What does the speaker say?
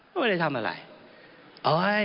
ก็ไม่ได้ทำอะไร